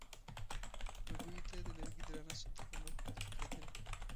بګيو ته د لرګي درانه صندوقونه ور پورته کېدل.